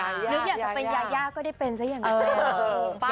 นึกอยากจะเป็นยายาก็ได้เป็นซะอย่างนั้น